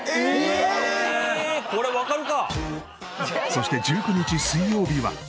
そして１９日水曜日は。